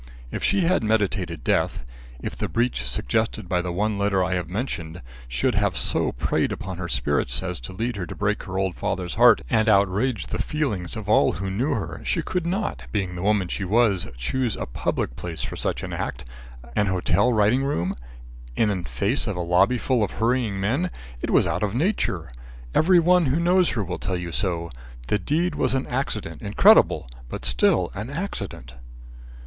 If she had meditated death if the breach suggested by the one letter I have mentioned, should have so preyed upon her spirits as to lead her to break her old father's heart and outrage the feelings of all who knew her, she could not, being the woman she was, choose a public place for such an act an hotel writing room in face of a lobby full of hurrying men. It was out of nature. Every one who knows her will tell you so. The deed was an accident incredible but still an accident."